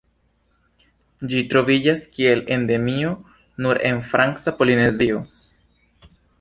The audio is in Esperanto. Ĝi troviĝas kiel endemio nur en Franca Polinezio.